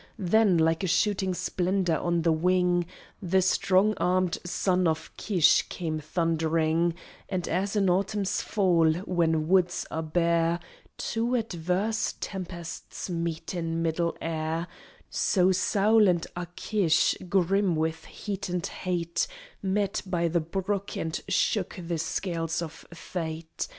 Then, like a shooting splendour on the wing, The strong armed son of Kish came thundering; And as in Autumn's fall, when woods are bare, Two adverse tempests meet in middle air, So Saul and Achish, grim with heat and hate, Met by the brook and shook the scales of Fate.